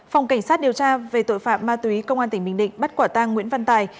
tội phạm ma túy công an tỉnh bình định bắt quả tang nguyễn văn tài